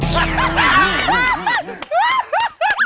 ใครวะ